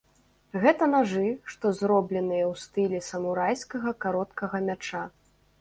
Гэта нажы, што зробленыя ў стылі самурайскага кароткага мяча.